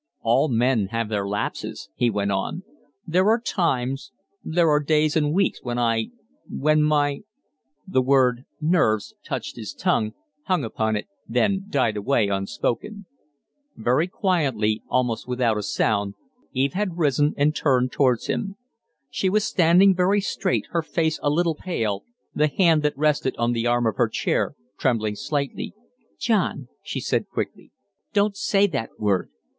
"All men have their lapses," he went on; "there are times there are days and weeks when I when my " The word "nerves" touched his tongue, hung upon it, then died away unspoken. Very quietly, almost without a sound, Eve had risen and turned towards him. She was standing very straight, her face a little pale, the hand that rested on the arm of her chair trembling slightly. "John," she said, quickly, "don't say that word?